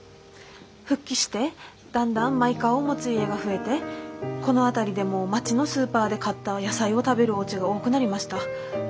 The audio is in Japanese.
復帰してだんだんマイカーを持つ家が増えてこの辺りでも町のスーパーで買った野菜を食べるおうちが多くなりました。